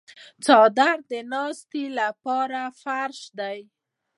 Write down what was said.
څادر د ناستې لپاره فرش دی.